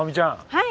はい。